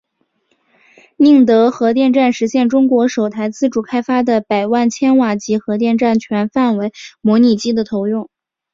宁德核电站实现中国首台自主开发的百万千瓦级核电站全范围模拟机的投用。